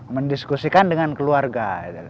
mendiskusikan dengan keluarga